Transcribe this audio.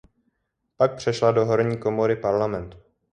Pak přešla do horní komory parlamentu.